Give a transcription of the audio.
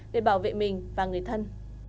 để bảo vệ mình và người thân